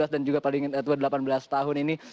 dan juga paling tua delapan belas tahun ini